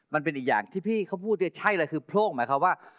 มันเป็นอีกอย่างที่พี่เขาพูดเนี่ยใช่เลยคือโพร่งหมายความว่า